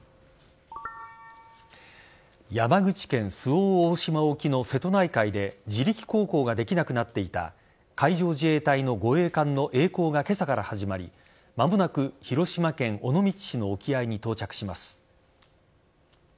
山口県周防大島沖の瀬戸内海で自力航行ができなくなっていた海上自衛隊の護衛艦のえい航が今朝から始まり間もなく広島県尾道市の沖合に到着します。